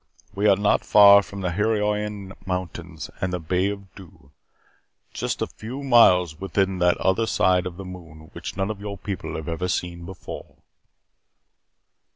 We are not far from the Heroynian Mountains and the Bay of Dew. Just a few miles within that other side of the moon which none of your people have ever seen before."